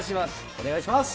お願いします。